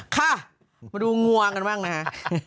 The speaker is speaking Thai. ค่ะมาดูงัวกันบ้างนะฮะ